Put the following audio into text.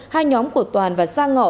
hai nhóm của toàn và sang ngọ